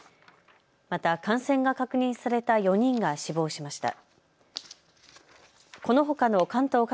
また、感染が確認された４人が死亡しました。